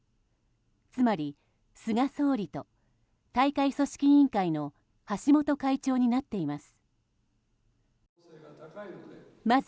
つまり、菅総理と大会組織委員会の橋本会長になっています。